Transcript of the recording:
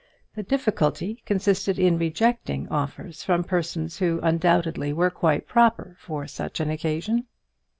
The difficulty consisted in rejecting offers from persons who undoubtedly were quite proper for such an occasion.